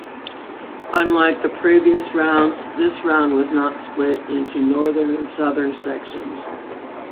Unlike the previous rounds this round was not split into northern and southern sections.